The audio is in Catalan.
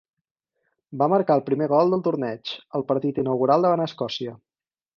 Va marcar el primer gol del torneig, al partit inaugural davant Escòcia.